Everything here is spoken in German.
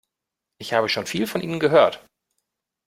Ich habe schon viel von Ihnen gehört.